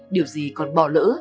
điều gì còn bỏ lỡ